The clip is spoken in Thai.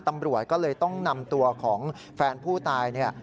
ตำรวจก็เลยต้องนำตัวของแฟนผู้ตายเนี่ย